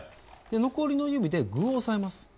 で残りの指で具を押さえます。